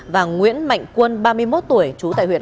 và nguyễn mạnh quân ba mươi một tuổi trú tại huyện